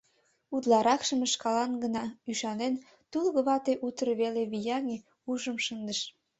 Утларакшым шкалан гына ӱшанен, тулык вате утыр веле вияҥе, ушым шындыш.